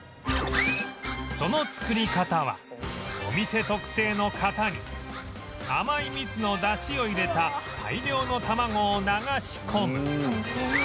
その作り方はお店特製の型に甘い蜜の出汁を入れた大量の卵を流し込む